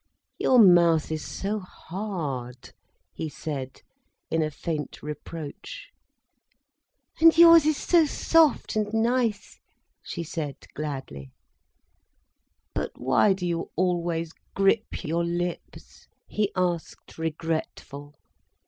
"Your mouth is so hard," he said, in faint reproach. "And yours is so soft and nice," she said gladly. "But why do you always grip your lips?" he asked, regretful.